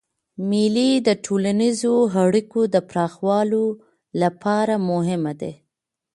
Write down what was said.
مېلې د ټولنیزو اړیکو د پراخولو له پاره مهمي دي.